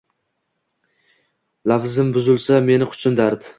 Lafzim buzsam meni quchsin dard